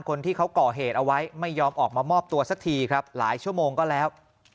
คนที่เขาก่อเหตุเอาไว้ไม่ยอมออกมามอบตัวสักทีครับหลายชั่วโมงก็แล้ว